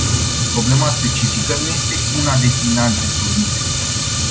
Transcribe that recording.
Problema specifică nu este una de finanțe "solide”.